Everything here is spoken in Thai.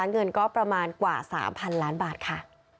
เงินก็ประมาณกว่า๓๐๐๐ล้านบาทค่ะ